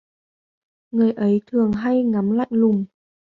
Người ấy thường hay ngắm lạnh lùng